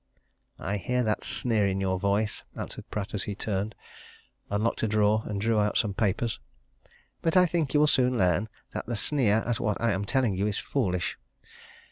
"I hear that sneer in your voice," answered Pratt, as he turned, unlocked a drawer, and drew out some papers. "But I think you will soon learn that the sneer at what I'm telling you is foolish.